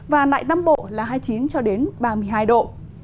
và nại nam bộ là hai mươi chín ba mươi hai độ